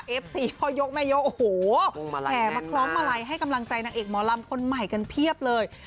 สี่พ่อยกแม่ยกโอ้โหแห่มาคล้องมาลัยให้กำลังใจนางเอกหมอลำคนใหม่กันเพียบเลย